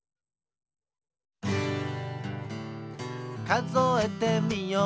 「かぞえてみよう」